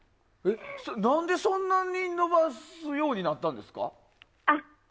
何でそんなに伸ばすようになったんですか。